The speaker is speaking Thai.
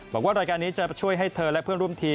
บอกว่ารายการนี้จะช่วยให้เธอและเพื่อนร่วมทีม